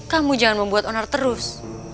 kamu jangan membuat onar terus